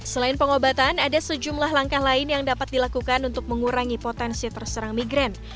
selain pengobatan ada sejumlah langkah lain yang dapat dilakukan untuk mengurangi potensi terserang migran